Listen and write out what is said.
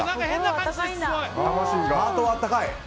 ハートはあったかい。